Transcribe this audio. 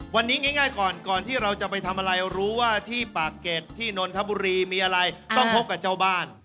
วันนี้ง่ายก่อนก่อนที่เราจะไปทำอะไรรู้ว่าที่ปากเก็ตที่นนทบุรีมีอะไรต้องพบกับเจ้าบ้าน